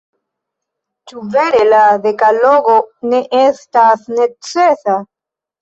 Ĉu vere la dekalogo ne estas necesa?